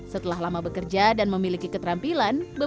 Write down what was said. setelah lama bekerja dan memiliki keterampilan